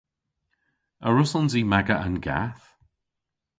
A wrussons i maga an gath?